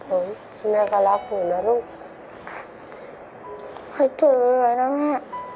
เหรอแม่ก็รักหนูนะรูไอ้จะเลยไว้นะแม่